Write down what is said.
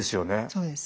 そうです。